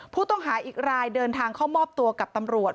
ผู้ต้องหาอีกรายเดินทางเข้ามอบตัวกับตำรวจ